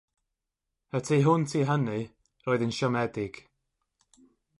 Y tu hwnt i hynny, roedd yn siomedig.